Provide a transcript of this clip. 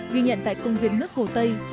ghi nhận tại công viên nước hồ tây